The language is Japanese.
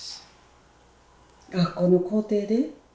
学校の校庭で？